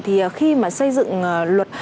thì khi mà xây dựng luật